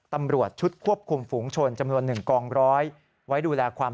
ตำรวจชุดควบคุมฝูงชนจำนวน๑กองร้อยไว้ดูแลความ